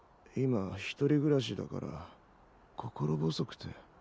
今１人暮らしだから心細くて。